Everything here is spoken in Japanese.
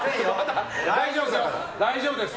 大丈夫です。